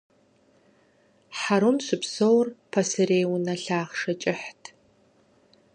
Хьэрун щыпсэур пасэрей унэ лъахъшэ кӀыхьт.